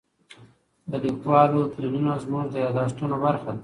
د لیکوالو تلینونه زموږ د یادښتونو برخه ده.